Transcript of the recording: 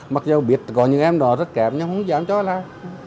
mặc dù biết có những em đó rất kẹm nhưng không dám cho lại